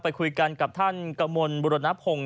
ไปคุยกันกับท่านกมรบุรนภง